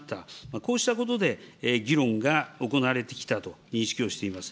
こうしたことで議論が行われてきたと認識をしております。